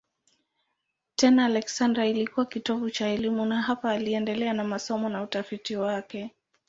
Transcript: Tena Aleksandria ilikuwa kitovu cha elimu na hapa aliendelea na masomo na utafiti wake.